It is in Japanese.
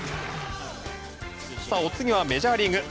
お次はメジャーリーグ。